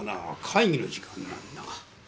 会議の時間なんだが。